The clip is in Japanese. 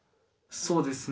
そうですね。